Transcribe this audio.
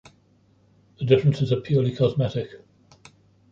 The differences are purely cosmetic.